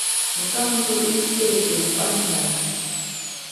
Wu tâ ntuo i pi tê nkwet njap bi.